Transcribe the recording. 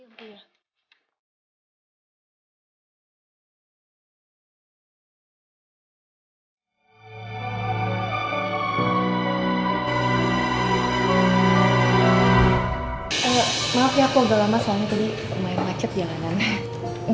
maaf ya aku agak lama soalnya tadi lumayan macet jangan aneh